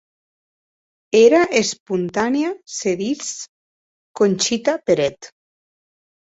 Era esponanèa se dits Conxita Peret.